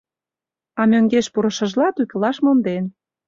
А мӧҥгеш пурышыжла, тӱкылаш монден.